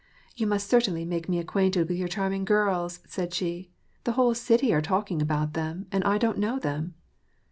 " You must certainly make me acquainted with your charm ing girls," said she ;'^ the whole city are talking about them, and I don't know them."